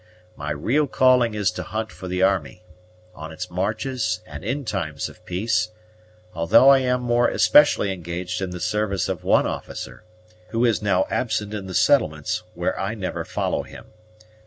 My real calling is to hunt for the army, on its marches and in times of peace; although I am more especially engaged in the service of one officer, who is now absent in the settlements, where I never follow him.